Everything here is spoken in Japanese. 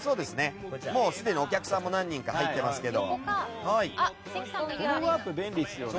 もうすでにお客さんも何人か入ってますけどね。